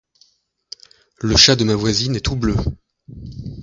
Le chat de ma voisine est tout bleu